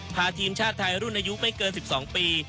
พาทีมชาติไทยรุ่นอายุไม่เกิน๑๒ปี